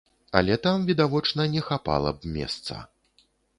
Але там, відавочна, не хапала б месца.